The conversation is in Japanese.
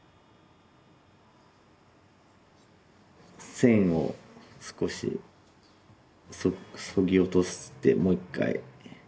線を少しそぎ落としてもう一回。